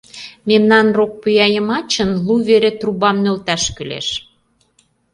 Мемнан рок пӱя йымачын лу вере трубам нӧлташ кӱлеш...